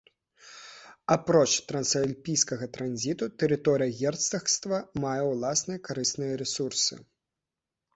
Апроч трансальпійскага транзіту, тэрыторыя герцагства мае ўласныя карысныя рэсурсы.